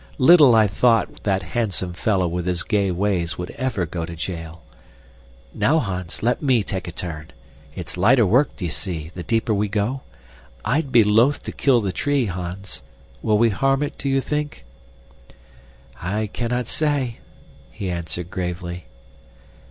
Little I thought that handsome fellow with his gay ways would ever go to jail! Now, Hans, let me take a turn. It's lighter work, d'ye see, the deeper we go? I'd be loath to kill the tree, Hans. Will we harm it, do you think?" "I cannot say," he answered gravely.